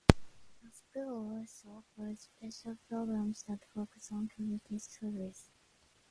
The school also offers special programs that focus on community service.